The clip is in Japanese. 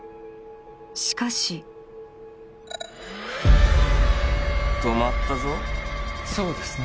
しかし止まったぞそうですね